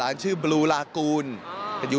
โดมเนี้ยบอกเลยว่าโอ้โห